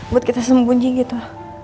buat kita sembunyi gitu